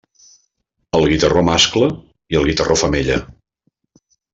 El guitarró mascle i el guitarró femella.